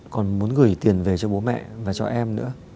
còn muốn gửi tiền về cho bố mẹ và cho em nữa